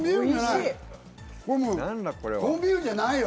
コンビーフじゃないよ！